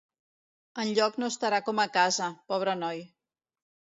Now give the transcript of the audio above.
Enlloc no estarà com a casa, pobre noi.